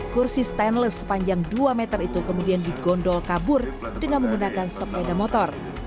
kursi stainless sepanjang dua meter itu kemudian digondol kabur dengan menggunakan sepeda motor